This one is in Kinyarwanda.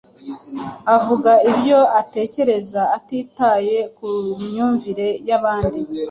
Avuga ibyo atekereza atitaye kumyumvire yabandi.